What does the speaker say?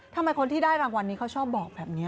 ทำไมคนที่ได้รางวัลนี้เขาชอบบอกแบบนี้